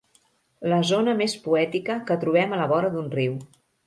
La zona més poètica que trobem a la vora d'un riu.